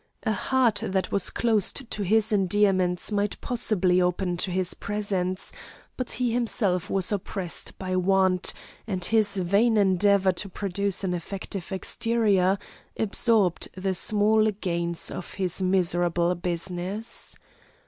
A heart that was closed to his endearments might possibly open to his presents, but he himself was oppressed by want, and his vain endeavour to produce an effective exterior absorbed the small gains of his miserable business.